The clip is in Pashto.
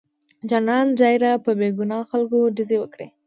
جنرال ډایر په بې ګناه خلکو ډزې وکړې.